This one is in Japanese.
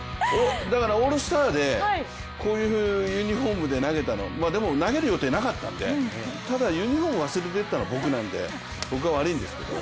だからオールスターでこういうユニフォームで投げたのでも投げる予定なかったんで、ただユニフォーム忘れてったのは僕なんで僕が悪いんですけれども。